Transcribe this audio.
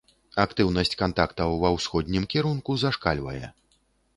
Актыўнасць кантактаў ва ўсходнім кірунку зашкальвае.